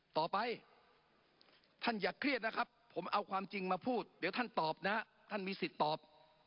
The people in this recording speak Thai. ต่อไปท่านอย่าเครียดนะครับผมเอาความจริงมาพูดเดี๋ยวท่านตอบนะท่านมีสิทธิ์ตอบ